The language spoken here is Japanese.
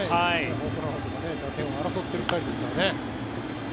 ホームランとか打点王を争っている２人ですからね。